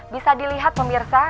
bisa dilihat pemirsa